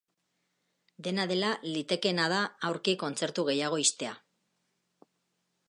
Dena dela, litekeena da aurki kontzertu gehiago ixtea.